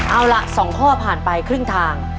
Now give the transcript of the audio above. เอาล่ะ๒ข้อผ่านไปครึ่งทาง